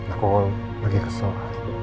aku lagi kesal